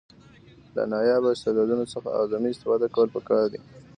له نایابه استعدادونو څخه اعظمي استفاده کول پکار دي.